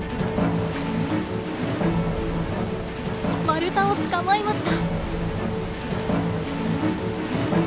マルタを捕まえました。